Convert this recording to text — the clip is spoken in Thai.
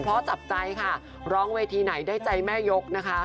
เพราะจับใจค่ะร้องเวทีไหนได้ใจแม่ยกนะคะ